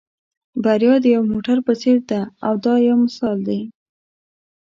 بریا د یو موټر په څېر ده دا یو مثال دی.